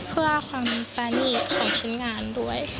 เพื่อความปรานีตของชิ้นงานด้วย